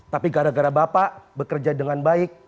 tapi gara gara bapak bekerja dengan baik